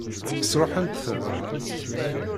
Sṛuḥent-ten?